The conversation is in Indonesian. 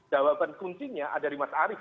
jawaban kuncinya ada di mas arief